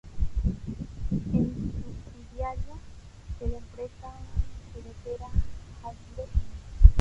Es subsidiaria de la empresa juguetera Hasbro Inc.